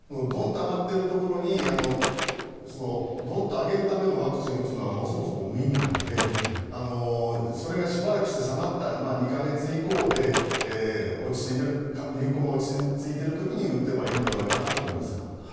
ドンと上がっているところにドンと上げるためのワクチンを打つのは無意味なのでそれがしばらくして下がった２か月以降で流行が落ち着いている時に打てばいいのではないかなと思います。